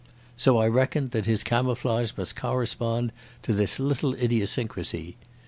So I reckoned that his camouflage must correspond to this little idiosyncrasy.